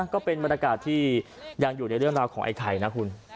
ก็เป็นบรรยากาศที่ยังอยู่ในเรื่องราวของไอ้ไข่นะคุณ